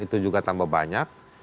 itu juga tambah banyak